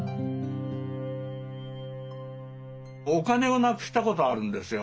お金をなくしたことあるんですよ。